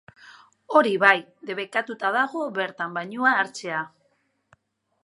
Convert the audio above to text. Hori bai, debekatuta dago bertan bainua hartzea.